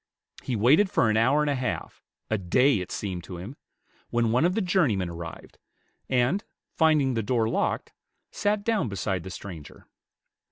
He waited for an hour and a half, a day, it seemed to him, when one of the journey men arrived, and, finding the door locked, sat down beside the stranger.